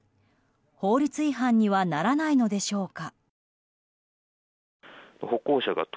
法律違反にはならないのでしょうか。